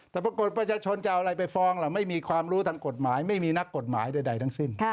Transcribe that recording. แต่ปรากฏประชาชนจะเอาอะไรไปฟ้องล่ะไม่มีความรู้ทางกฎหมายไม่มีนักกฎหมายใดทั้งสิ้น